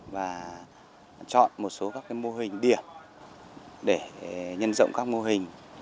và chọn một số các mô hình điểm để nhân rộng các mô hình